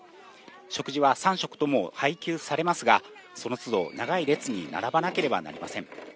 食事は３食とも配給されますが、そのつど、長い列に並ばなければなりません。